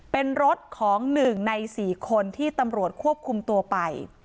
เป็นรถของ๑ใน๔คนที่ตำรวจควบคุมตัวไป